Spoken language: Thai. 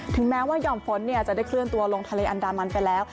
แม้ว่าหย่อมฝนจะได้เคลื่อนตัวลงทะเลอันดามันไปแล้ว